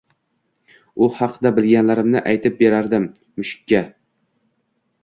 U haqida bilganlarimni aytib berardim mushukka.